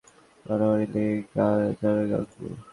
মারামারি লেগে যাবে, গাঙু।